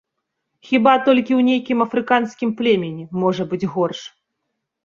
Хіба толькі ў нейкім афрыканскім племені можа быць горш.